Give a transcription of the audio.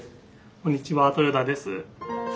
こんにちは豊田です。